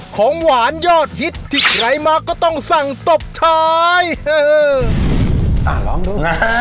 ของหวานยอดฮิตที่ใครมาก็ต้องสั่งตบท้ายอ่าลองดูนะฮะ